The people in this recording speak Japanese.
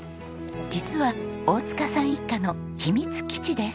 実は大塚さん一家の秘密基地です。